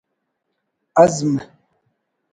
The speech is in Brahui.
عزم